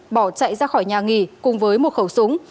bỏ chạy ra khỏi nhà nghỉ cùng với một khẩu súng